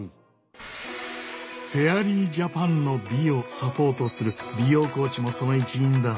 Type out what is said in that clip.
フェアリージャパンの美をサポートする美容コーチもその一員だ。